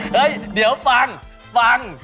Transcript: เฮ้ยเดี๋ยวฟังฟัน